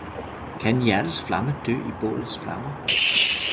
Kan hjertets flamme dø i bålets flammer?